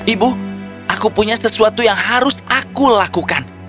ibu aku punya sesuatu yang harus aku lakukan